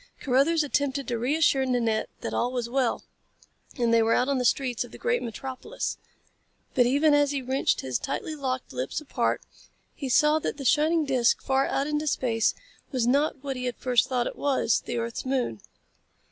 Carruthers attempted to reassure Nanette that all was well, and they were out on the streets of the great metropolis. But even as he wrenched his tightly locked lips apart he saw that the shining disc far out into space was not what he had first thought it was the earth's moon.